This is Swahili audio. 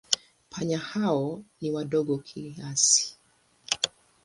Panya hao ni wadogo kiasi.